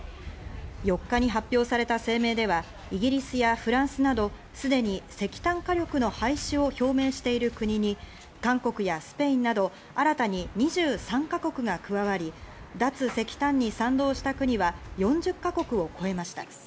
４日に発表された声明ではイギリスやフランスなどすでに石炭火力の廃止を表明している国に韓国やスペインなど新たに２３か国が加わり、脱石炭に賛同した国は４０か国を超えました。